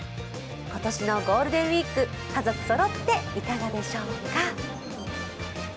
今年のゴールデンウイーク家族ソロっていかがでしょうか？